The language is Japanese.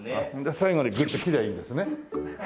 最後にグッと斬りゃいいんですね。